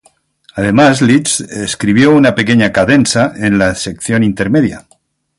Además Liszt escribió una pequeña "cadenza" en la sección intermedia.